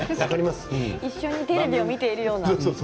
一緒にテレビを見ているような感じで。